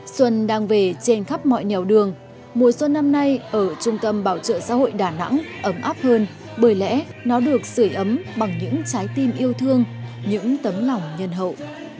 xuân đang về trên khắp mọi nèo đường mùa xuân năm nay ở trung tâm bảo trợ xã hội đà nẵng ấm áp hơn bởi lẽ nó được sửa ấm bằng những trái tim yêu thương những tấm lòng nhân hậu